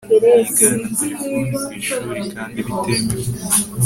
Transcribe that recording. yigana terefone ku ishuri kandi bitemewe